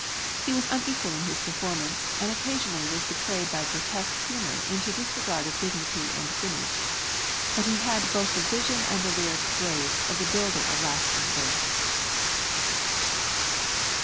He was unequal in his performance and occasionally was betrayed by a grotesque humor into disregard of dignity and finish; but he had both the vision and the lyric grace of the builder of lasting verse.